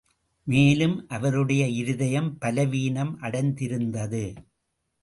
மேலும் அவருடைய இருதயம் பலவீனம் அடைந்திருந்தது.